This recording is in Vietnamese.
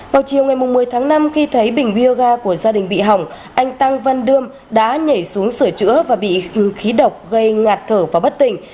vào chiều ngày một mươi tháng năm khi thấy bình bioga của gia đình bị hỏng anh tăng văn đươm đã nhảy xuống sửa chữa và bị khí độc gây ngạt thở và bất tỉnh